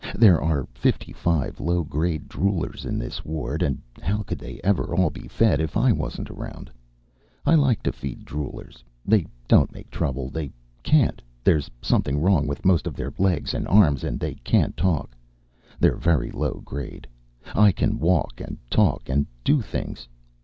There are fifty five low grade droolers in this ward, and how could they ever all be fed if I wasn't around? I like to feed droolers. They don't make trouble. They can't. Something's wrong with most of their legs and arms, and they can't talk. They're very low grade. I can walk, and talk, and do things.